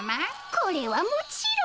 これはもちろん？